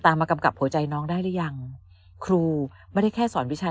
มากำกับหัวใจน้องได้หรือยังครูไม่ได้แค่สอนวิชา